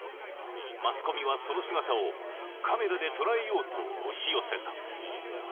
マスコミはその姿をカメラでとらえようと押し寄せた